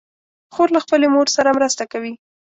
خور له خپلې مور سره مرسته کوي.